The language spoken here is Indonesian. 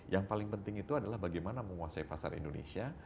yang paling penting itu adalah bagaimana menguasai pasar indonesia